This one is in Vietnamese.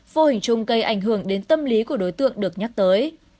vô hình chung gây ảnh hưởng đến tâm lý của đối tượng được nhắc tới